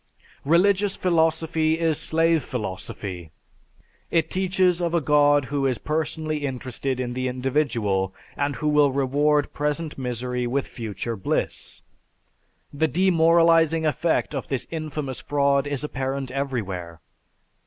"_) Religious philosophy is slave philosophy; it teaches of a God who is personally interested in the individual and who will reward present misery with future bliss. The demoralizing effect of this infamous fraud is apparent everywhere.